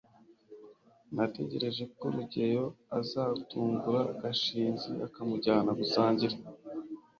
natekereje ko rugeyo azatungura gashinzi akamujyana gusangira